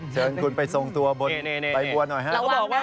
เชิญคุณไปทรงตัวบนคับออย่างหัวท่านอื่น